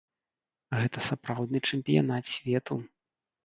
Гэта сапраўдны чэмпіянат свету.